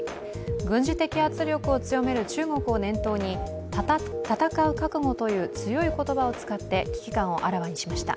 軍事的圧力を強める中国を念頭に戦う覚悟という強い言葉を使って危機感をあらわにしました。